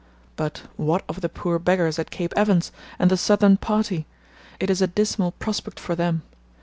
But what of the poor beggars at Cape Evans, and the Southern Party? It is a dismal prospect for them.